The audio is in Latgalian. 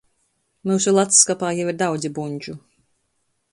Myusu ladsskapā jau ir daudzi buņdžu.